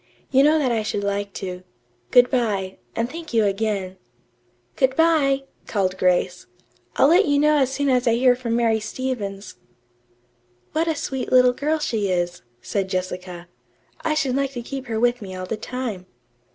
"You know that I should like to. Good bye, and thank you again." "Good bye," called Grace. "I'll let you know as soon as I hear from Mary Stevens." "What a sweet little girl she is," said Jessica. "I should like to keep her with me all the time."